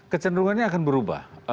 kecenderungannya akan berubah